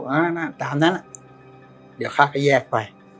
น่ะอะน่ะตามนั้นอะเดี๋ยวข้าก็แยกไป